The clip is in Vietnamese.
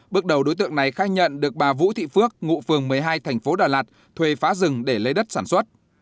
bước đầu đối tượng này khai nhận được bà vũ thị phước ngụ phường một mươi hai thành phố đà lạt thuê phá rừng để lấy đất sản xuất